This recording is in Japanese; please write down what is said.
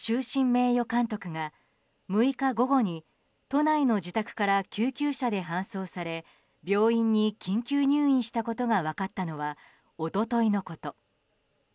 名誉監督が６日午後に都内の自宅から救急車で搬送され病院に緊急入院したことが分かったのは一昨日のこと。